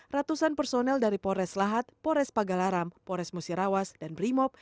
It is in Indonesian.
ratusan personel dari polres lahat pores pagalaram polres musirawas dan brimob